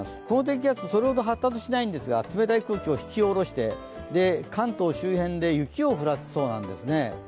この低気圧、それほど発達しないんですが、冷たい空気を引き下ろして、関東周辺で雪を降らすそうなんですね。